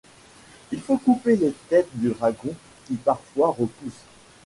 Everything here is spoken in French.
Il faut couper les têtes du dragon, qui parfois repoussent.